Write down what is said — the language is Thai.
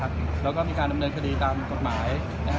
แล้วก็มีการดำเนินคดีตามกฎหมาย